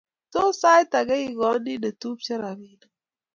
Tos, sait age igoni notupche robinik?